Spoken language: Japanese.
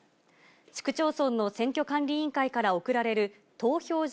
市区町村の選挙管理委員会から送られる投票所